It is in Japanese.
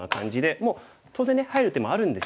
もう当然ね入る手もあるんですが。